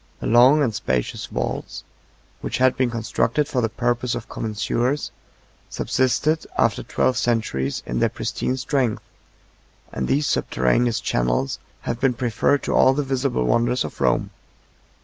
The long and spacious vaults which had been constructed for the purpose of common sewers, subsisted, after twelve centuries, in their pristine strength; and these subterraneous channels have been preferred to all the visible wonders of Rome.